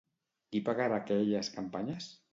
Qui pagarà aquelles campanyes?